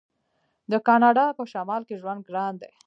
د کاناډا په شمال کې ژوند ګران دی.